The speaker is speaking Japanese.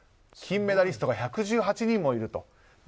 金メダリストが１１８人もいると。